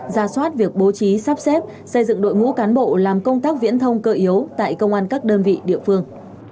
ra soát việc bố trí sắp xếp xây dựng đội ngũ cán bộ làm công tác viễn thông cơ yếu tại công an các đơn vị địa phương